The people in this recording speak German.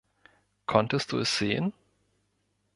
Konntest du es sehen?